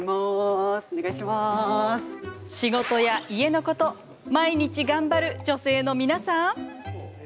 仕事や家のこと毎日、頑張る女性の皆さん。